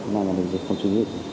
mà là bây giờ không chú ý